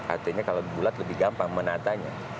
artinya kalau bulat lebih gampang menatanya